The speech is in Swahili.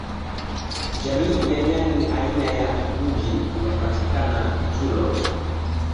jamii ya nyani aina ya kipunji inapatikana kitulo